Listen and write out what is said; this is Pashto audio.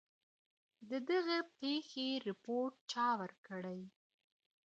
د دغي پېښي رپوټ چا ورکړی؟